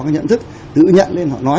nhận thức tự nhận lên họ nói